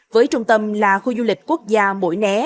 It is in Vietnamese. với trung tâm là khu du lịch quốc gia mũi né